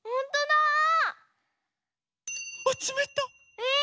え！